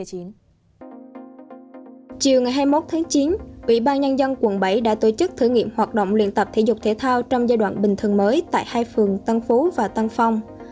chiều ngày hai mươi một tháng chín ủy ban nhân dân quận bảy đã tổ chức thử nghiệm hoạt động luyện tập thể dục thể thao trong giai đoạn bình thường mới tại hai phường tân phú và tân phong